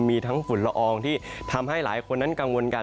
มีทั้งฝุ่นละอองที่ทำให้หลายคนนั้นกังวลกัน